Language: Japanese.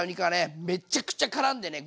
めっちゃくちゃからんでね